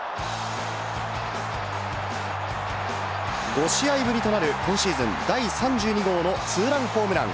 ５試合ぶりとなる今シーズン第３２号のツーランホームラン。